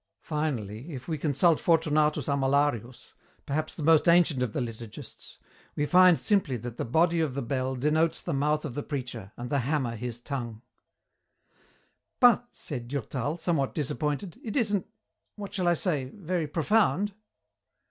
Finally, if we consult Fortunatus Amalarius, perhaps the most ancient of the liturgists, we find simply that the body of the bell denotes the mouth of the preacher and the hammer his tongue." "But," said Durtal, somewhat disappointed, "it isn't what shall I say? very profound."